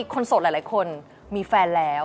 โสดหลายคนมีแฟนแล้ว